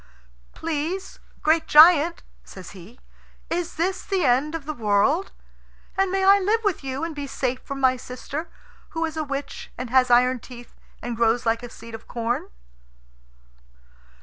"Please, great giant," says he, "is this the end of the world? And may I live with you and be safe from my sister, who is a witch, and has iron teeth, and grows like a seed of corn?"